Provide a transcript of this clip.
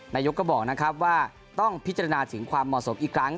นายกก็บอกนะครับว่าต้องพิจารณาถึงความเหมาะสมอีกครั้ง